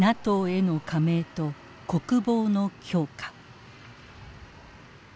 ＮＡＴＯへの加盟と国防の強化。